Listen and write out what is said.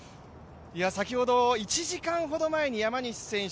先ほど、１時間ほど前に山西選手